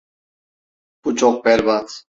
Bu çok berbat.